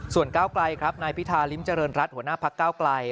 ส่วนก้าวไกลครับนายพิธาริมเจริญรัฐหัวหน้าพักเก้าไกล